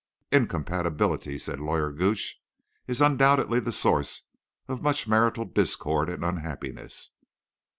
"Incompatibility," said Lawyer Gooch, "is undoubtedly the source of much marital discord and unhappiness.